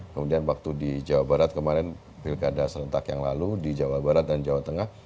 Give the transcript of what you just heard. kemudian waktu di jawa barat kemarin pilkada serentak yang lalu di jawa barat dan jawa tengah